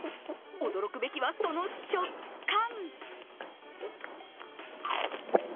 驚くべきはその食感。